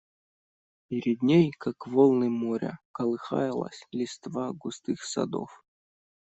Перед ней, как волны моря, колыхалась листва густых садов.